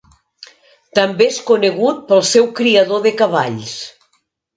També és conegut pel seu criador de cavalls.